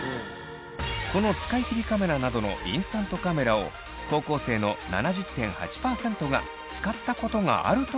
この使い切りカメラなどのインスタントカメラを高校生の７０．８％が使ったことがあると答えています。